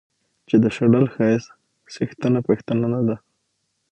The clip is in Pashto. چې د شډل ښايست څښتنه پښتنه نه ده